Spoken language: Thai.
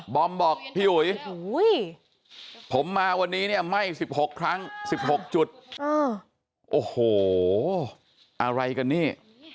อมบอกพี่อุ๋ยผมมาวันนี้เนี่ยไหม้๑๖ครั้ง๑๖จุดโอ้โหอะไรกันนี่